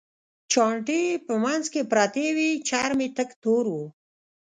چانټې یې په منځ کې پرتې وې، چرم یې تک تور و.